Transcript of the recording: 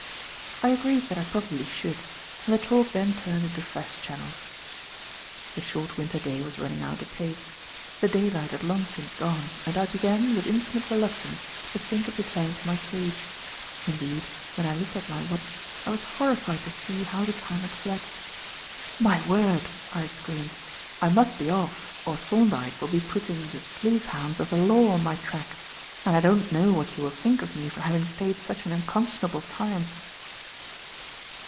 I agreed that I probably should; and the talk then turned into fresh channels. The short winter day was running out apace. The daylight had long since gone, and I began, with infinite reluctance, to think of returning to my cage. Indeed, when I looked at my watch, I was horrified to see how the time had fled. "My word!" I exclaimed. "I must be off, or Thorndyke will be putting the sleuth hounds of the law on my track. And I don't know what you will think of me for having stayed such an unconscionable time."